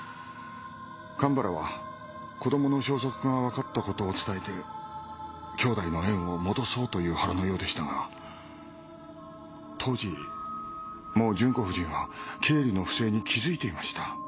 神原は子どもの消息がわかったことを伝えて兄妹の縁を戻そうという腹のようでしたが当時もう純子夫人は経理の不正に気づいていました。